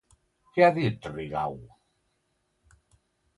Què ha dit Rigau?